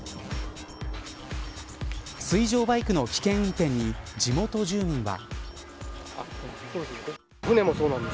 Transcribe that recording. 水上バイクの危険運転に地元住民は。